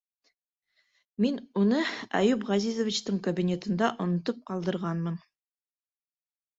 Мин уны Әйүп Ғәзизовичтың кабинетында онотоп ҡалдырғанмын...